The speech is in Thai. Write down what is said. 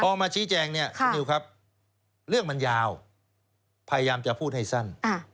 พอมาชี้แจงเนี่ยคุณนิวครับเรื่องมันยาวพยายามจะพูดให้สั้น